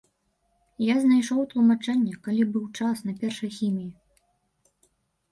Я знайшоў тлумачэнне, калі быў час, на першай хіміі.